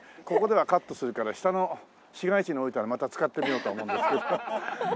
ここではカットするから下の市街地に下りたらまた使ってみようと思うんです。